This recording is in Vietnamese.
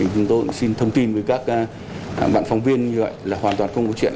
mình xin thông tin với các bạn phóng viên như vậy là hoàn toàn không có chuyện